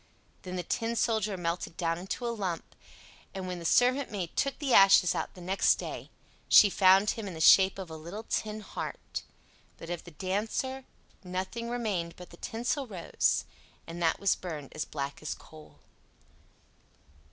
Then the Tin Soldier melted down into a lump, and when the servant maid took the ashes out next day, she found him in the shape of a little tin heart. But of the Dancer nothing remained but the tinsel rose, and that was burned as black as coal.